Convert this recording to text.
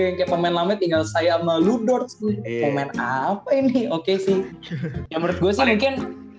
yang kayak pemain lamanya tinggal saya sama ludor pemain apa ini oke sih ya menurut gue sih mungkin